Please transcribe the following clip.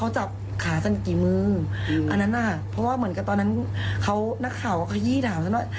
เขาจับขาฉันกี่มืออันนั้นน่ะเพราะว่าเหมือนกับตอนนั้นเขานักข่าวก็ขยี้ถามฉันว่า